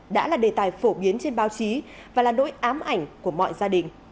đã là đề tài phổ biến trên báo chí và là nỗi ám ảnh của mọi gia đình